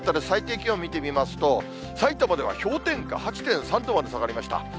最低気温見てみますと、さいたまでは氷点下８．３度まで下がりました。